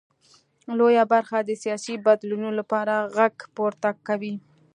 لویه برخه د سیاسي بدلونونو لپاره غږ پورته کوي.